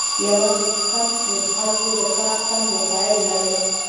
یوازې کم شمیر خلکو د کار سم وسایل لرل.